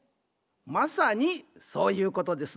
まさにそういうことですな。